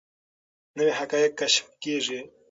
نوي حقایق کشف کیږي.